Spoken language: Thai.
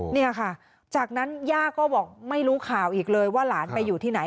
เนี่ยค่ะจากนั้นย่าก็บอกไม่รู้ข่าวอีกเลยว่าหลานไปอยู่ที่ไหน